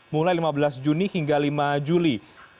mulai lima belas juni hingga lima juli